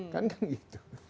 kan kan gitu